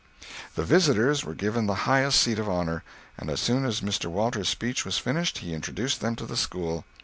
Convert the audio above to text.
The visitors were given the highest seat of honor, and as soon as Mr. Walters' speech was finished, he introduced them to the school.